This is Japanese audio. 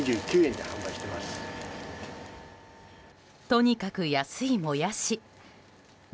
とにかく安い、もやし。